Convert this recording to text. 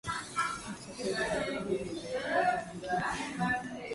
wachache dhidi ya kurudi kwa mwingine kwa eneo